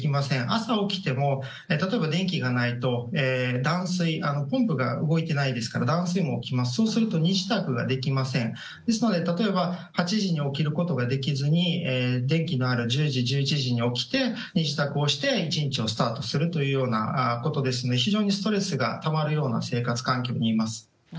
朝、起きても例えば電気がないとポンプが動いてないですから断水も動いていませんから荷支度ができませんですから８時に起きることができず電気のある１０時、１１時に起きて身支度をして１日をスタートするようなことですので非常にストレスがたまる生活環境にいます。